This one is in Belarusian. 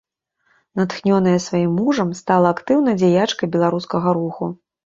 Натхнёная сваім мужам, стала актыўнай дзяячкай беларускага руху.